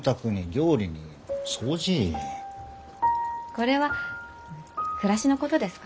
これは暮らしのことですから。